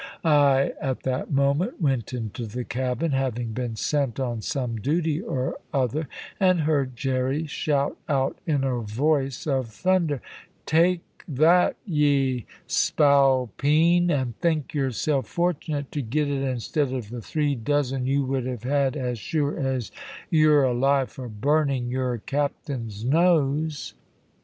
I, at that moment, went into the cabin, having been sent on some duty or other, and heard Jerry shout out in a voice of thunder: "`Take that, ye spalpeen, and think yourself fortunate to get it instead of the three dozen you would have had as sure as you're alive for burning your captain's nose.'